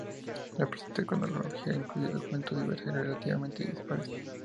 La presente cronología incluye documentos diversos y relativamente dispares.